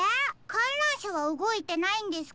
かんらんしゃはうごいてないんですか？